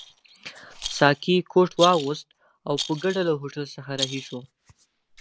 ساقي کوټ واغوست او په ګډه له هوټل څخه رهي شوو.